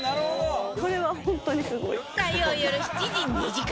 火曜よる７時２時間